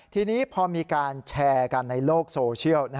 ทีนี้พอมีการแชร์กันในโลกโซเชียล